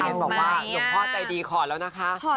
เห็นมั้ยหยุดพ่อใจดีขอแล้วนะคะ